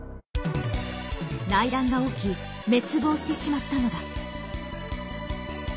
内乱が起き滅亡してしまったのだ。